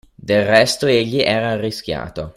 Del resto egli era arrischiato